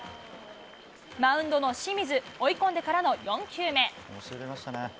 マウンドの清水、追い込んでからの４球目。